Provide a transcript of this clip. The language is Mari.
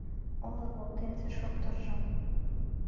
Олык воктенсе шоптыржым